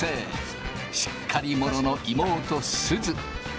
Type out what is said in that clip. しっかり者の妹すず。